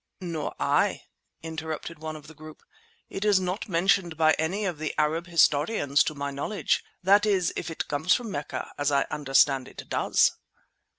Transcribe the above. "Nor I," interrupted one of the group. "It is not mentioned by any of the Arabian historians to my knowledge—that is, if it comes from Mecca, as I understand it does."